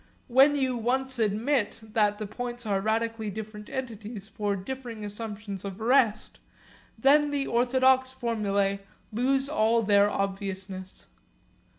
When you once admit that the points are radically different entities for differing assumptions of rest, then the orthodox formulae lose all their obviousness.